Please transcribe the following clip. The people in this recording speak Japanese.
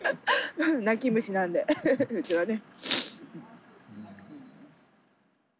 泣き虫なんでうちらね。